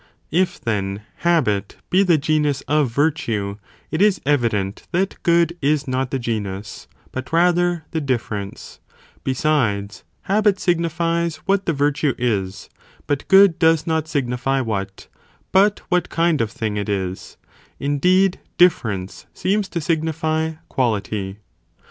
If, "then, habit be the genus of virtue, it is evident that good is not the genus, but rather the difference; besides, habit signifies what the virtue is, but good does not signify what, but what kind of thing it is; indeed difference, seems to signify quality.